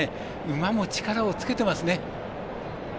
馬も力をつけてますね。